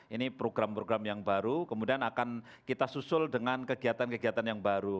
ini program program yang baru kemudian akan kita susul dengan kegiatan kegiatan yang baru